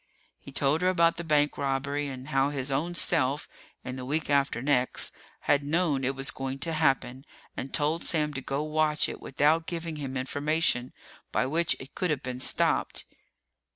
He told her about the bank robbery and how his own self in the week after next had known it was going to happen, and told Sam to go watch it without giving him information by which it could have been stopped.